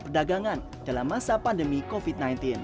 perdagangan dalam masa pandemi covid sembilan belas